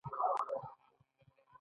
دا کار په کال اتلس سوه اتلسم کې وشو.